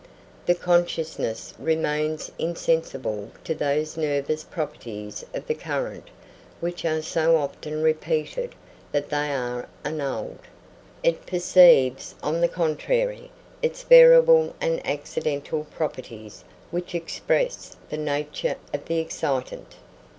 The consciousness remains insensible to those nervous properties of the current which are so often repeated that they are annulled; it perceives, on the contrary, its variable and accidental properties which express the nature of the excitant.